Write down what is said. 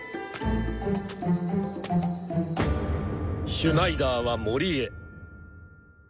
シュナイダーは森へ。